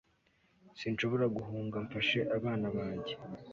sinshobora guhunga mfashe abana banjye